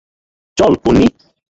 চল, পোন্নি।